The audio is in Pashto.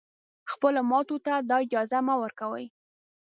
خپلو ماتو ته دا اجازه مه ورکوی